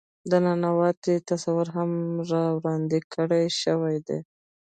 د ننواتې تصور هم را وړاندې کړے شوے دے.